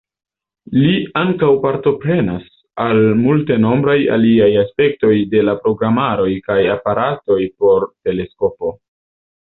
Li ankaŭ partoprenas al multenombraj aliaj aspektoj de la programaroj kaj aparatoj por teleskopo.